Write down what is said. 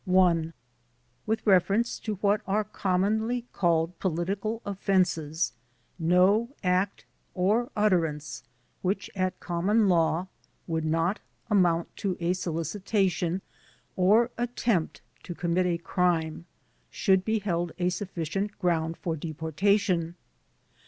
1. With reference to what are commonly called politi cal offenses, no act or utterance which at common law would not amount to a solicitation or attempt to commit a crime shotdd be held a sufficient ground for deporta tion.